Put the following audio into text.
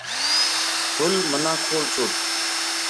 گل منا کھول چھُڑ